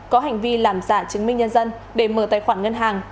có hành vi làm giả chứng minh nhân dân để mở tài khoản ngân hàng